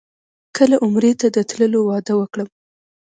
کله عمرې ته د تللو وعده وکړم.